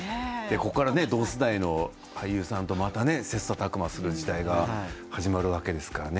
ここから同世代の俳優さんとまた切さたく磨する時代が始まるわけですからね。